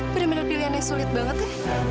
bener bener pilihan yang sulit banget ya